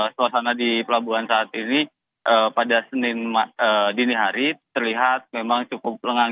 suasana di pelabuhan saat ini pada senin dini hari terlihat memang cukup lengang